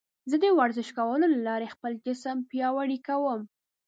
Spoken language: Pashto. زه د ورزش کولو له لارې خپل جسم پیاوړی کوم.